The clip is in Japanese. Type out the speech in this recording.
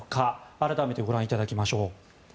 改めてご覧いただきましょう。